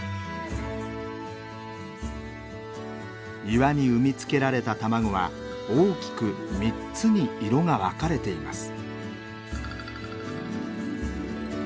岩に産みつけられた卵は大きく３つに色が分かれています。